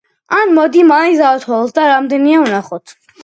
ან მოდი მაინც დავთვალოთ და რამდენია ვნახოთ.